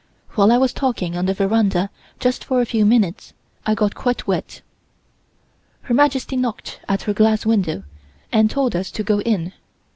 While I was talking on the veranda just for a few minutes, I got quite wet. Her Majesty knocked at her glass window and told us to go in.